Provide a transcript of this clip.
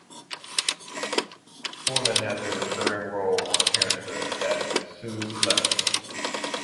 Foreman has a recurring role on "Parenthood" as Suze Lessing.